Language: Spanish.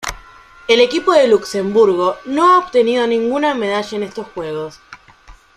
El equipo de Luxemburgo no ha obtenido ninguna medalla en estos Juegos.